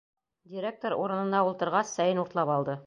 Директор урынына ултырғас сәйен уртлап алды.